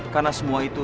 karena semua itu